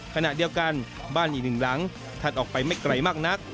ขณะเดียวกันบ้านอีกหนึ่งหลังถัดออกไปไม่ไกลมากนัก